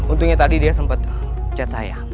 untungnya tadi dia sempat chat saya